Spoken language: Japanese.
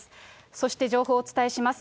そして情報をお伝えします。